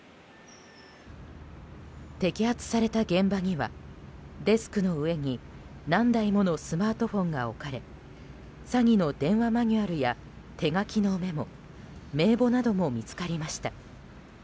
摘発された現場にはデスクの上に何台ものスマートフォンが置かれ詐欺の電話マニュアルや手書きのメモ名簿なども見つかりました。